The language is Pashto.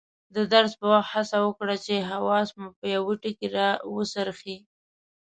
د درس په وخت هڅه وکړئ چې حواس مو په یوه ټکي راوڅرخي.